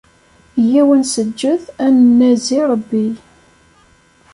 Yyaw, ad nseǧǧed, ad nanezi Rebbi.